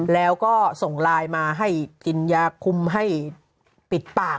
แล้วก็ส่งไลน์มาให้กินยาคุมให้ปิดปาก